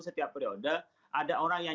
setiap periode ada orang yang